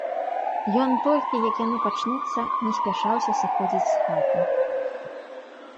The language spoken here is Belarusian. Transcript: Ён толькі, як яны пачнуцца, не спяшаўся сыходзіць з хаты.